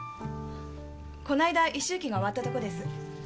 こないだ一周忌が終わったとこです。